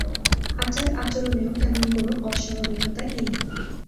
আচার-আচরণেও তেমন কোনো অস্বাভাবিকতা নেই।